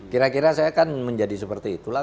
kira kira saya kan menjadi seperti itulah